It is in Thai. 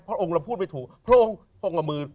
พระองค์เราพูดไปถูกพระองค์พระองค์กำมือ